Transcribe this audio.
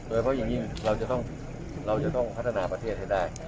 เพราะอย่างงี้เราจะต้องพัฒนาประเทศได้